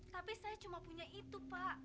tapi saya cuma punya itu pak